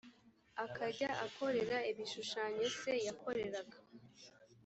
akajya akorera ibishushanyo se yakoreraga